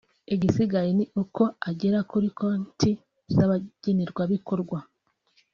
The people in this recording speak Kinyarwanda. igisigaye ni uko agera kuri konti z’abagenerwabikorwa